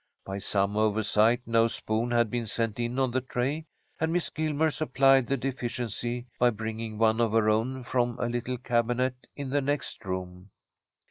By some oversight, no spoon had been sent in on the tray, and Miss Gilmer supplied the deficiency by bringing one of her own from a little cabinet in the next room.